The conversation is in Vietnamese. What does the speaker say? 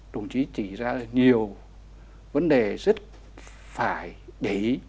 đồng chí chỉ ra nhiều vấn đề rất phải để ý